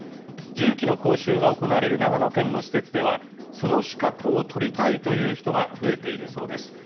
重機の講習が行われる長野県の施設では、その資格を取りたいという人が増えているそうです。